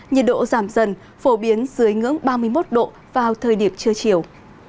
nhiệt độ giảm dần phổ biến dưới ngưỡng ba mươi một độ vào thời điểm trưa chiều